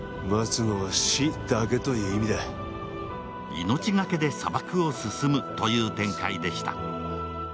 命がけで砂漠を進むという展開でした。